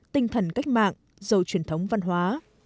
tinh thần cách mạng dầu truyền thống văn hóa